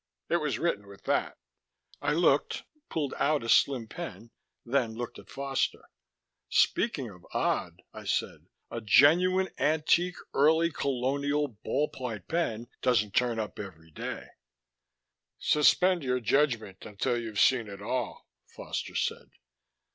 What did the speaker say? "It was written with that." I looked, pulled out a slim pen, then looked at Foster. "Speaking of odd," I said. "A genuine antique early colonial ball point pen doesn't turn up every day " "Suspend your judgement until you've seen it all," Foster said.